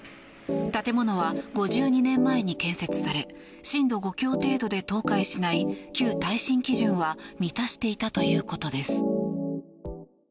建物は５２年前に建設され震度５強程度で倒壊しない旧耐震基準は満たしていたということです。